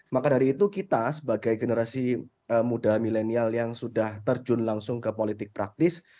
maka dari itu kita sebagai generasi muda milenial yang sudah terjun langsung ke politik praktis